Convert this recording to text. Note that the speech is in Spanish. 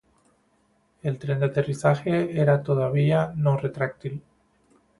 El tren de aterrizaje era todavía no retráctil.